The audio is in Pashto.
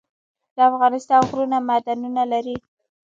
د افغانستان غرونه معدنونه لري